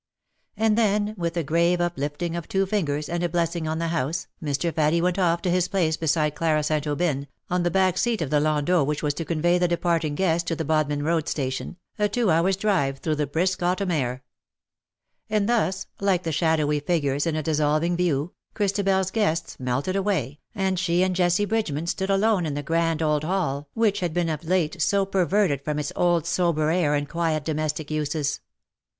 And then, with a grave uplifting of two fingers, and a blessing on the house, Mr. Faddie went off to his place beside Clara St. Aubyn, on the back seat of the landau which was to convey the depart ing guests to the Bodmin Road Station, a two hours^ drive through the brisk autumn air. And thus, like the shadowy figures in a dissolving view, ChristabeFs guests melted away, and she and Jessie Bridgeman stood alone in the grand old hall which had been of late so perverted from its old sober air and quiet domestic uses.